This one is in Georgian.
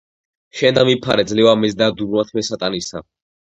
შენ დამიფარე, ძლევა მეც დათრგუნვად მე სატანისა